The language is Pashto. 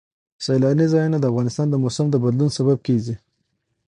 سیلانی ځایونه د افغانستان د موسم د بدلون سبب کېږي.